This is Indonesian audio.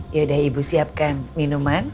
yaudah ibu siapkan minuman